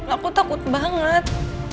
aku takut banget